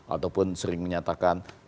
ataupun sering menyatakan